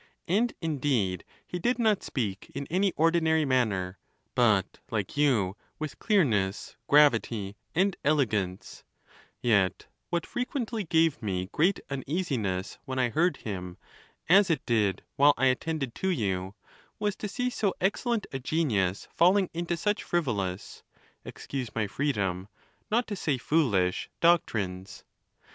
And, indeed, he did not speak in any ordinary manner ; but, like you, with clear ness, gravity, and elegance ; yet what frequently gave me great uneasiness when I heard him, as it did while I at tended to you, was to see so excellent a genius falling into such frivolous (excuse my freedom), not to say foolish, doc trines.